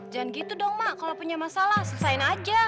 jangan gitu dong mak kalau punya masalah selesain aja